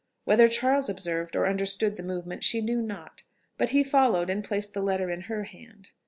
Whether Charles observed or understood the movement, she knew not; but he followed and placed the letter in her hand.